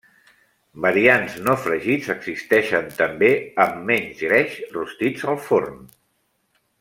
Variants no fregits existeixen també amb menys greix, rostits al forn.